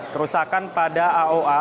kerusakan pada aoa